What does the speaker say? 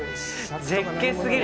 絶景すぎる。